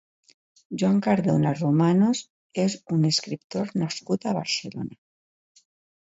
Joan Cardona Romanos és un escriptor nascut a Barcelona.